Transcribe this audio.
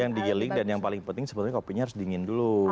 yang digiling dan yang paling penting sebetulnya kopinya harus dingin dulu